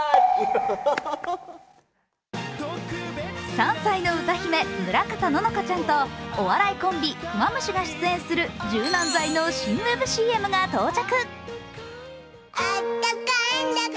３歳の歌姫・村方乃々佳ちゃんとお笑いコンビ、クマムシが出演する柔軟剤の新ウェブＣＭが到着。